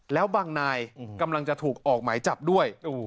แล้วบางนายกำลังจะถูกออกหมายจับด้วย